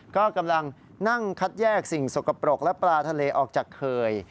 ก็กำลังนั่งคัดแยกสิ่งสกปรกและปลาทะเลออกจากเคย